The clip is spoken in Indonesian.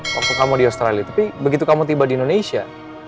waktu kamu di australia tapi begitu kamu tiba di indonesia